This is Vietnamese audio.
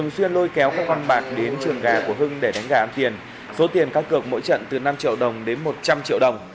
đã đến trường gà của hưng để đánh gà ăn tiền số tiền cao cược mỗi trận từ năm triệu đồng đến một trăm linh triệu đồng